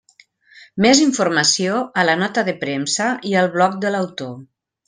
Més informació a la nota de premsa i el bloc de l'autor.